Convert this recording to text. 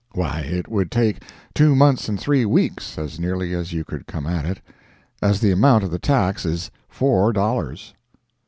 Why, it would take two months and three weeks, as nearly as you could come at it; as the amount of the tax is four dollars.